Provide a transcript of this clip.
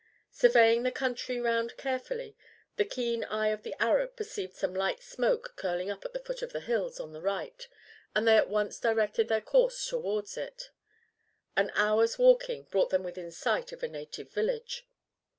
Surveying the country round carefully, the keen eye of the Arab perceived some light smoke curling up at the foot of the hills on their right, and they at once directed their course towards it. An hour's walking brought them within sight of a native village.